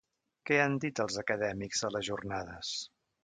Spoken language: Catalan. Què han dit els acadèmics a les jornades?